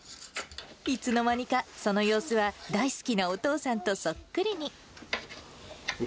いつの間にかその様子は大好きなお父さんとそっくりに。